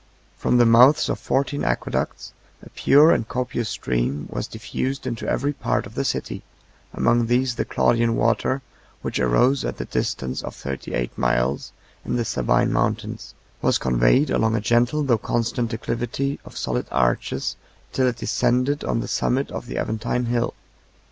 63 From the mouths of fourteen aqueducts, a pure and copious stream was diffused into every part of the city; among these the Claudian water, which arose at the distance of thirty eight miles in the Sabine mountains, was conveyed along a gentle though constant declivity of solid arches, till it descended on the summit of the Aventine hill.